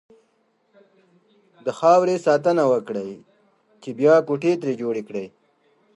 د خاورې ساتنه وکړئ! چې بيا کوټې ترې جوړې کړئ.